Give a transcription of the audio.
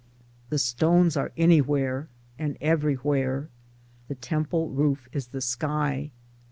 The stones are anywhere and everywhere : the temple roof is the sky.